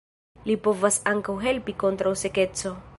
Li povas ankaŭ helpi kontraŭ sekeco.